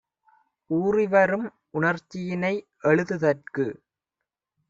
ஊறிவரும் உணர்ச்சியினை எழுது தற்கு